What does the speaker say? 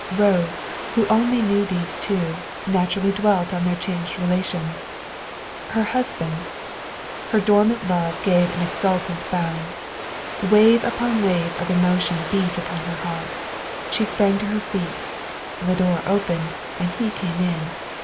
Rose, who knew only these two, naturally dwelt on their changed relations. Her husband! Her dormant love gave an exultant bound. Wave upon wave of emotion beat upon her heart; she sprang to her feet; the door opened, and he came in.